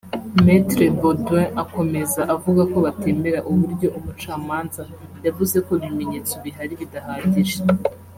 Maître Baudouin akomeza avuga ko batemera uburyo umucamanza yavuze ko ibimenyetso bihari bidahagije